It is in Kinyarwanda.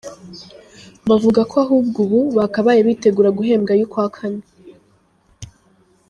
Bavuga ko ahubwo ubu bakabaye bitegura guhembwa ay’ukwa kane.